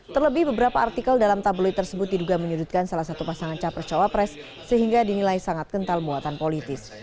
terlebih beberapa artikel dalam tabloid tersebut diduga menyudutkan salah satu pasangan capres cawapres sehingga dinilai sangat kental muatan politis